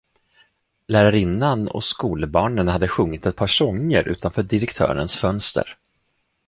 Lärarinnan och skolbarnen hade sjungit ett par sånger utanför direktörens fönster.